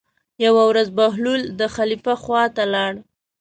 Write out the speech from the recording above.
یوه ورځ بهلول د خلیفه خواته لاړ.